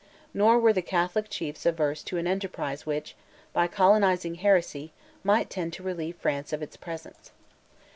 Nor were the Catholic chiefs averse to an enterprise which, by colonizing heresy, might tend to relieve France of its presence.